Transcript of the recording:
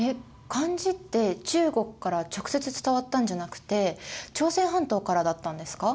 漢字って中国から直接伝わったんじゃなくて朝鮮半島からだったんですか？